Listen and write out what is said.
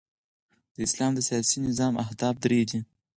د اسلام د سیاسي نظام اهداف درې دي.